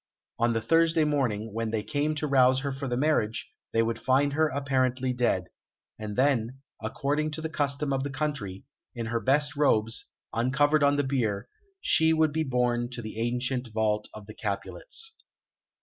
On the Thursday morning, when they came to rouse her for the marriage, they would find her apparently dead, and then according to the custom of the country in her best robes, uncovered on the bier, she would be borne to the ancient vault of the Capulets.